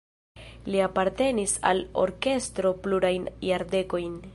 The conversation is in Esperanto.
Li apartenis al orkestro plurajn jardekojn.